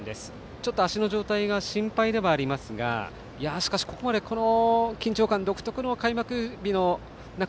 ちょっと足の状態が心配ではありますがしかしここまで開幕日という独特の緊張感の中